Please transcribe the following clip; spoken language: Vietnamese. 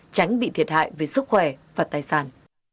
tránh bị thiệt hại về sức khỏe và tài sản